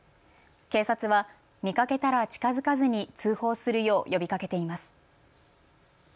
警察は見かけたら近づかずに通報するよう呼びかけています。